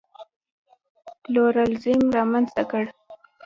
پلورالېزم رامنځته کړ.